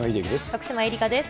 徳島えりかです。